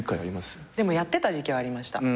やってた時期はありました。